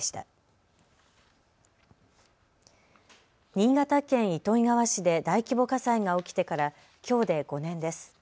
新潟県糸魚川市で大規模火災が起きてから、きょうで５年です。